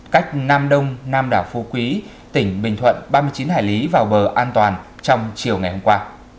cách nam đông nam đảo phu quý tỉnh bình thuận ba mươi chín hải lý vào bờ an toàn trong chiều ngày hôm qua